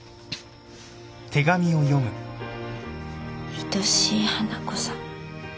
「いとしい花子さん。